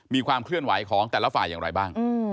มีความเคลื่อนไหวของแต่ละฝ่ายอย่างไรบ้าง